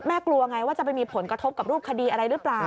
กลัวไงว่าจะไปมีผลกระทบกับรูปคดีอะไรหรือเปล่า